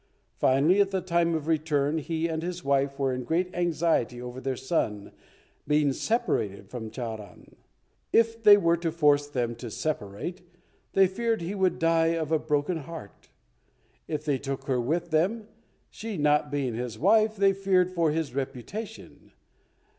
Finally, at the time of return, he and his wife were in great anxiety over their son being separated from Charan. If they were to force them to separate, they feared he would die of a broken heart. If they took her with them, she not being his wife, they feared for his reputation.